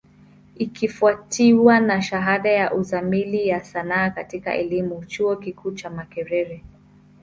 Ikifwatiwa na shahada ya Uzamili ya Sanaa katika elimu, chuo kikuu cha Makerere.